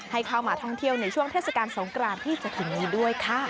ให้เข้ามาท่องเที่ยวในช่วงเทศกาลสงกรานที่จะถึงนี้ด้วยค่ะ